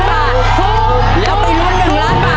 ถูก